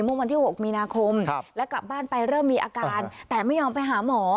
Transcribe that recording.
เมื่อวันที่๖มีนาคมและกลับบ้านไปเริ่มมีอาการแต่ไม่ยอมไปหาหมอ